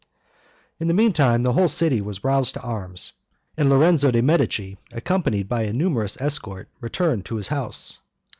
In the meantime the whole city was roused to arms, and Lorenzo de' Medici, accompanied by a numerous escort, returned to his house.